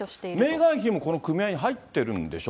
メーガン妃もこの組合に入ってるんでしょ？